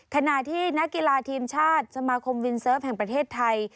ขณะที่นักกีฬาทีมชาติสมาคมวินเซิร์ฟแห่งประเทศไทย